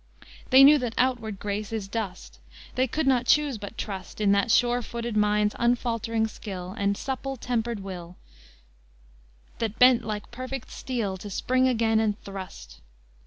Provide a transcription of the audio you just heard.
They knew that outward grace is dust; They could not choose but trust In that sure footed mind's unfaltering skill, And supple tempered will That bent like perfect steel to spring again and thrust.